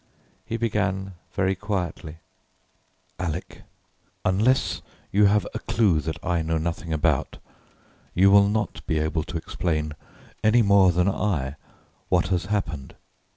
He began very quietly "Alec, unless you have a clue that I know nothing about, you will not be able to explain any more than I what has happened.